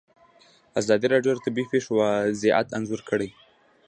ازادي راډیو د طبیعي پېښې وضعیت انځور کړی.